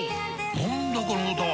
何だこの歌は！